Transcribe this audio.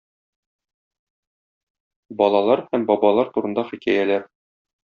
Балалар һәм бабалар турында хикәяләр.